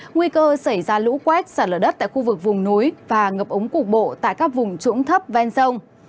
nguy cơ xảy ra lũ quét xả lở đất tại khu vực vùng núi và ngập ống cục bộ tại các vùng trũng thấp ven sông